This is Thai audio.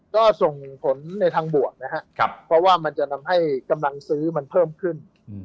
ก็ส่งผลในทางบวกนะครับเพราะว่ามันจะทำให้กำลังซื้อมันเพิ่มขึ้น